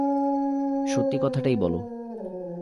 সত্যি কথাটাই বলো।